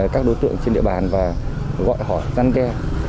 các đối tượng trên địa bàn và gọi hỏi gian keo